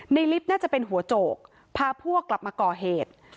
ลิฟต์น่าจะเป็นหัวโจกพาพวกกลับมาก่อเหตุ